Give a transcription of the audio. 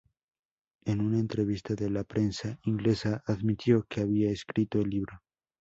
En una entrevista de la prensa inglesa admitió que había escrito el libro.